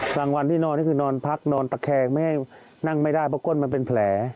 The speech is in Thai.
กลางวันที่นอนก็คือนอนพักนอนตะแคงไม่ให้นั่งไม่ได้เพราะก้นมันเป็นแผล